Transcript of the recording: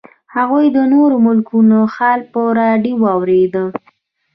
هغې د نورو ملکونو حال په راډیو اورېده